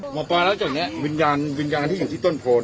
หมอปลาแล้วจุดนี้วิญญาณวิญญาณที่อยู่ที่ต้นโพน